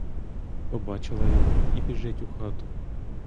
Побачила його і біжить у хату.